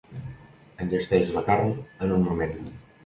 Enllesteix la carn en un moment.